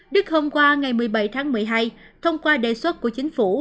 đức hôm qua ngày một mươi bảy tháng một mươi hai thông qua đề xuất của chính phủ